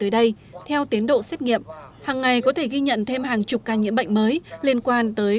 đến độ xét nghiệm hàng ngày có thể ghi nhận thêm hàng chục ca nhiễm bệnh mới liên quan tới